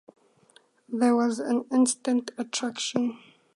There was an instant attraction.